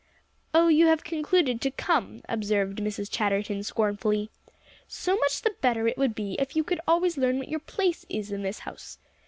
"Oh, you have concluded to come?" observed Mrs. Chatterton scornfully. "So much the better it would be if you could always learn what your place is in this house.